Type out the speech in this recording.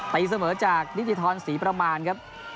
ตีเสมอจากนิติธรศรีประมาณครับ